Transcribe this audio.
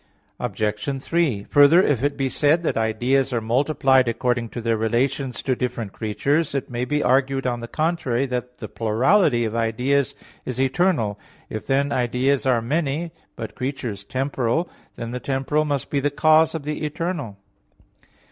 Obj. 3: Further, if it be said that ideas are multiplied according to their relations to different creatures, it may be argued on the contrary that the plurality of ideas is eternal. If, then, ideas are many, but creatures temporal, then the temporal must be the cause of the eternal.